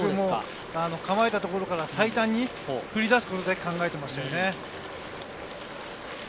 構えたところから最短で振り出すことだけ考えていましたね。